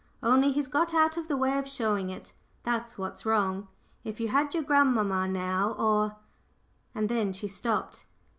"Only he's got out of the way of showing it that's what's wrong. If you had your grandmamma now, or " and then she stopped.